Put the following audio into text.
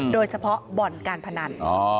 โดยเฉพาะบ่อนการพนัน